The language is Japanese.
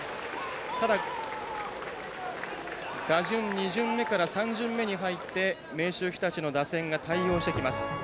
ただ、打順２巡目から３巡目に入って明秀日立の打線が対応してきます。